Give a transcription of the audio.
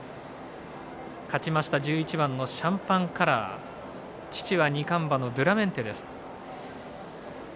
勝ちました１１番シャンパンカラー父は二冠馬のドゥラメンテです。